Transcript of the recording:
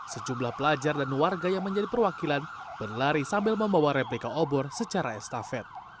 sejumlah pelajar dan warga yang menjadi perwakilan berlari sambil membawa replika obor secara estafet